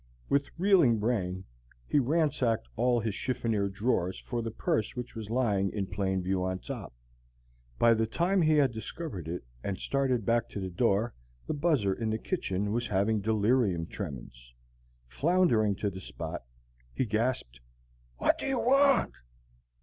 With reeling brain, he ransacked all his chiffonier drawers for the purse which was lying in plain view on top. By the time he had discovered it and started back to the door, the buzzer in the kitchen was having delirium tremens. Floundering to the spot, he gasped: "What do you want?"